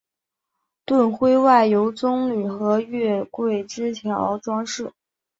盾徽外由棕榈和月桂枝条装饰。